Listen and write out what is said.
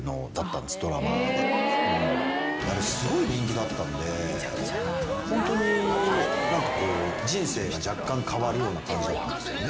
あれすごい人気だったんでホントに人生が若干変わるような感じだったんです。